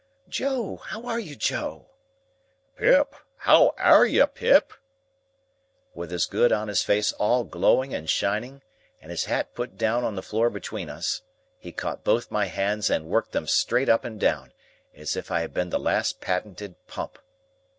"Joe, how are you, Joe?" "Pip, how AIR you, Pip?" With his good honest face all glowing and shining, and his hat put down on the floor between us, he caught both my hands and worked them straight up and down, as if I had been the last patented Pump.